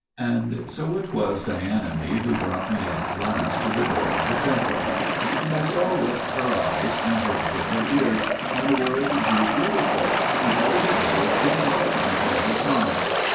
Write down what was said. And so it was Dianeme who brought me at last to the door of the temple, and I saw with her eyes and heard with her ears, and the world grew beautiful, an altogether fitting setting for her charms.